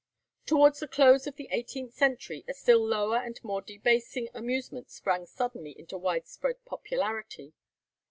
Towards the close of the eighteenth century a still lower and more debasing amusement sprang suddenly into widespread popularity.